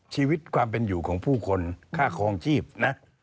ชีวิตความเป็นอยู่ของผู้คนค่าคลองชีพนะ